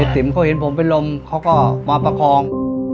ติ๋มเขาเห็นผมเป็นลมเขาก็มาประคอง